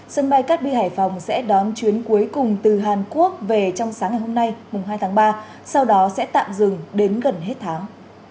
sân bay cát bi hải phòng sẽ đón chuyến cuối cùng từ hàn quốc về trong sáng ngày hôm nay mùng hai tháng ba sau đó sẽ tạm dừng đến gần hết tháng